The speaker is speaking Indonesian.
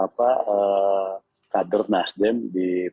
apa kader nasdem dipulih